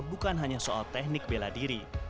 bukan hanya soal teknik bela diri